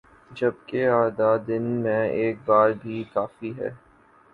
جبکہ کا اعادہ دن میں ایک بار بھی کافی ہے